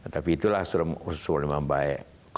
tapi itulah sudah memang baik